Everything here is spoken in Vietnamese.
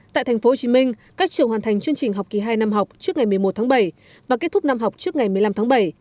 tại tp hcm các trường hoàn thành chương trình học kỳ hai năm học trước ngày một mươi một tháng bảy và kết thúc năm học trước ngày một mươi năm tháng bảy